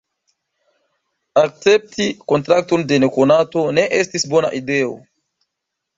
"Akcepti kontrakton de nekonato ne estis bona ideo!"